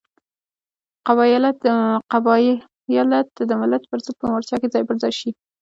قبایلت د ملت پرضد په مورچه کې ځای پر ځای شي.